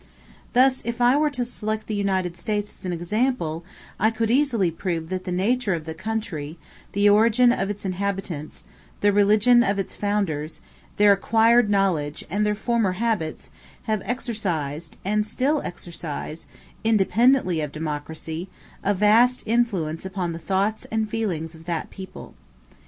Thus if I were to select the United States as an example, I could easily prove that the nature of the country, the origin of its inhabitants, the religion of its founders, their acquired knowledge, and their former habits, have exercised, and still exercise, independently of democracy, a vast influence upon the thoughts and feelings of that people.